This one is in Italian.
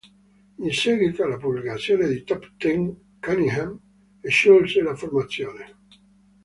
In seguito alla pubblicazione di "Top Ten", Cunningham sciolse la formazione.